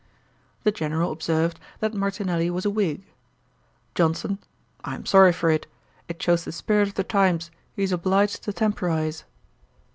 The General observed, that Martinelli was a Whig. JOHNSON. 'I am sorry for it. It shows the spirit of the times: he is obliged to temporise.'